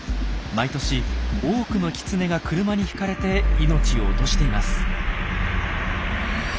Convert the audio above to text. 毎年多くのキツネが車にひかれて命を落としています。